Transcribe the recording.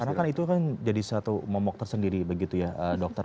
karena kan itu kan jadi satu momok tersendiri begitu ya dokter